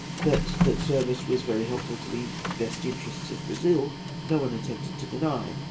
That that service was very helpful to the best interests of Brazil no one attempted to deny.